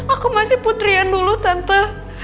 aku masih putrian dulu tante